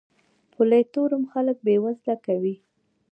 پولي تورم خلک بې وزله کوي.